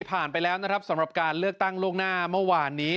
ไปแล้วนะครับสำหรับการเลือกตั้งล่วงหน้าเมื่อวานนี้